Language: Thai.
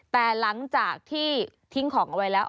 แต่หลังจากที่ทิ้งของเอาไว้แล้ว